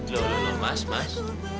loh loh loh mas mas